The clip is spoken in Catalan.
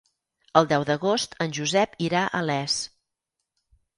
El deu d'agost en Josep irà a Les.